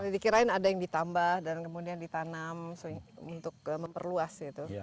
dikirain ada yang ditambah dan kemudian ditanam untuk memperluas itu